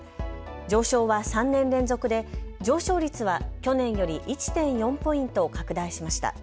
上昇は３年連続で上昇率は去年より１．４ポイント拡大しました。